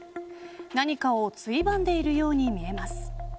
何かをついばんでいるように見えます。